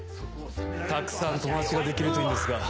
たくさん友達ができるといいんですが。